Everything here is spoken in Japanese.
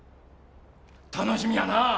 楽しみやなぁ！